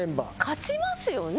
勝ちますよね。